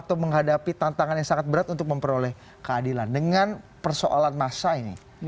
atau menghadapi tantangan yang sangat berat untuk memperoleh keadilan dengan persoalan masa ini